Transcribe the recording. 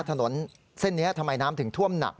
ถนนเส้นนี้ทำไมน้ำถึงท่วมหนัก